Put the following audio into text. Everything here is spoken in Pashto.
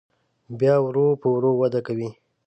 بیا ورو په ورو وده کوي.